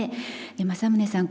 正宗さん